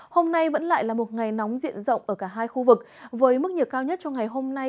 hôm nay vẫn lại là một ngày nóng diện rộng ở cả hai khu vực với mức nhiệt cao nhất cho ngày hôm nay